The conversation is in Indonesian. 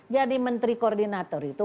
jadi menteri koordinator itu